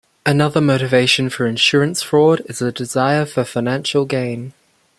Another motivation for insurance fraud is a desire for financial gain.